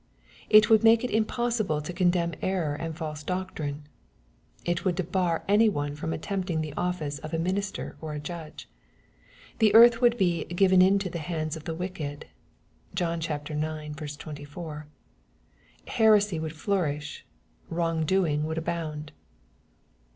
It would make it impossible to condemn error and false doctrine. It would debar any one from attempting the office of a minister or a judge. The earth would be " given into the hands of the wicked." (John ix. 24.) Heresy would flourish. Wrong doing would abound.